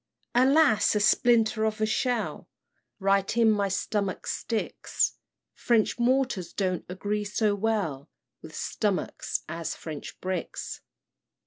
"Alas! a splinter of a shell Right in my stomach sticks; French mortars don't agree so well With stomachs as French bricks.